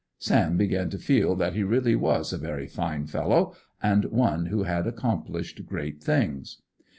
Sam began to feel that he really was a very fine fellow, and one who had accomplished great things.